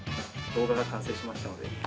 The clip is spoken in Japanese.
動画が完成しましたので。